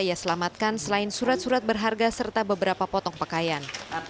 ia selamatkan selain surat surat berharga serta beberapa potong pakaian